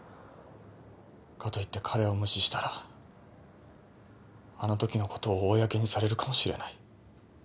かと言って彼を無視したらあの時の事を公にされるかもしれない。